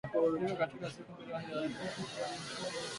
Vifo kati ya siku mbili hadi tatu kwa mnyama aliyedondokadondoka